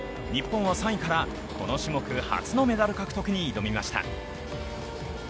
日本は３位から、この種目初のメダル獲得へ挑みました。